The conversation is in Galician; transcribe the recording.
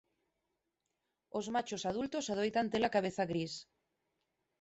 Os machos adultos adoitan ter a cabeza gris.